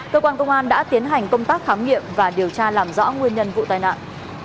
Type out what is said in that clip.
cơ quan công an đã tiến hành công tác khám nghiệm và điều tra làm rõ nguyên nhân vụ tai nạn